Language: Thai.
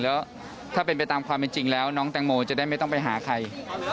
แล้วถ้าเป็นไปตามความเป็นจริงแล้วน้องแตงโมจะได้ไม่ต้องไปหาใคร